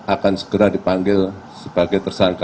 akan segera dipanggil sebagai tersangka